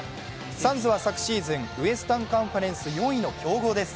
サンズは昨シーズン、ウエスタンカンファレンス４位の強豪です。